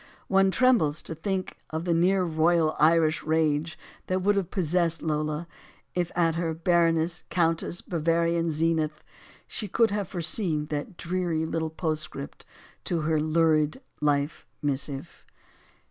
One trembles to think of the near royal Irish rage that would have possessed Lola if, at her baroness countess Bavarian zenith, she could have foreseen that dreary little postscript to her lurid life missive.